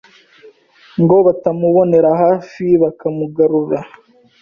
ngo batamubonera hafi bakamugarura